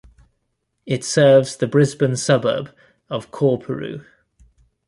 It serves the Brisbane suburb of Coorparoo.